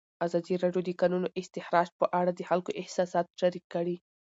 ازادي راډیو د د کانونو استخراج په اړه د خلکو احساسات شریک کړي.